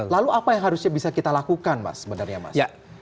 lalu apa yang harusnya bisa kita lakukan mas sebenarnya mas